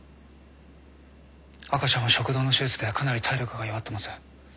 赤ちゃんは食道の手術でかなり体力が弱ってます。